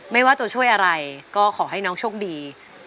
ไม่ว่าตัวช่วยอะไรก็ขอให้น้องโชคดี